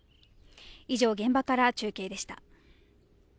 以上現場から中継でした。